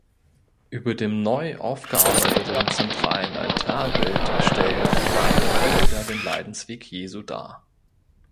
Über dem neu aufgearbeiteten zentralen Altarbild stellen weitere Bilder den Leidensweg Jesu dar.